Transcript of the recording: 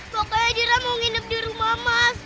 makanya dira mau nginep di rumah mas